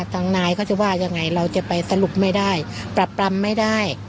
ทางนายเขาจะว่ายังไงเราจะไปสรุปไม่ได้ปรับปรำไม่ได้